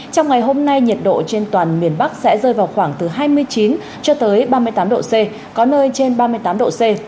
trong ngày hôm nay nhiệt độ trên toàn miền bắc sẽ rơi vào khoảng từ hai mươi chín cho tới ba mươi tám độ c có nơi trên ba mươi tám độ c